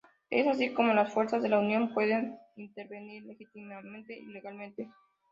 Es así como las fuerzas de la unión pueden intervenir legítimamente y legalmente.